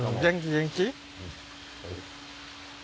元気？